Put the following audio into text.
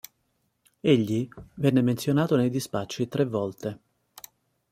Egli venne menzionato nei dispacci tre volte.